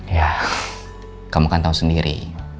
ya kamu kan tahu sendiri